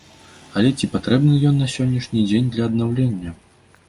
Але ці патрэбны ён на сённяшні дзень для аднаўлення?